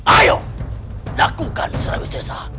ayo lakukan surawi seja